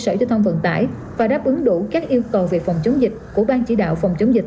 sở giao thông vận tải và đáp ứng đủ các yêu cầu về phòng chống dịch của ban chỉ đạo phòng chống dịch